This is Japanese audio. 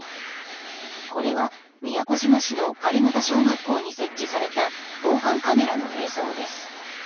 これは宮古島市の狩俣小学校に設置された防犯カメラの映像です。